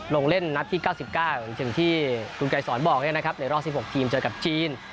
ลงเล่นนัดที่๙๙อย่างที่คุณไกรสอนบอกในรอบ๑๖ทีมเจอกับจีน